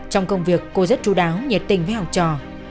trong công việc cô rất chú đáo nhiệt tình với học trò